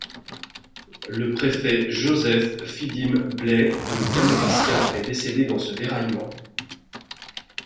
Le préfet Joseph-Phydime Blais de Kamouraska est décédé dans ce déraillement.